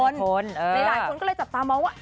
หลายคนก็เลยจับตามองว่า